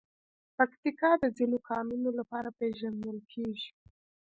پکتیکا د ځینو کانونو لپاره پېژندل کېږي.